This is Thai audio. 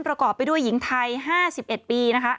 ประกอบไปด้วยหญิงไทย๕๑ปีนะคะ